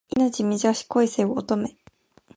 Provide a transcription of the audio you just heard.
命短し恋せよ乙女